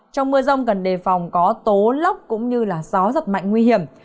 trong mưa rông gần đề phòng có tố lốc cũng như gió rất mạnh nguy hiểm